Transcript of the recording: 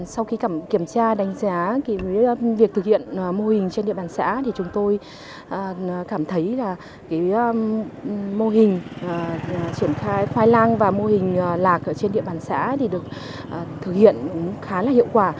sau khi kiểm tra đánh giá việc thực hiện mô hình trên địa bàn xã chúng tôi cảm thấy mô hình triển khai khoai lang và mô hình lạc trên địa bàn xã được thực hiện khá hiệu quả